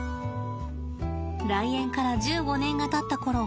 来園から１５年がたったころ